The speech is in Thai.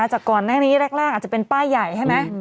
จากก่อนแรกอาจจะเป็นป้ายใหญ่ใช่ไหม